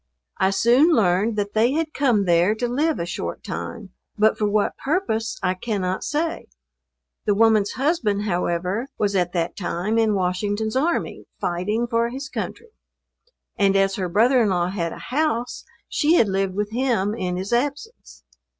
I soon learned that they had come there to live a short time; but for what purpose I cannot say. The woman's husband, however, was at that time in Washington's army, fighting, for his country; and as her brother in law had a house she had lived with him in his absence.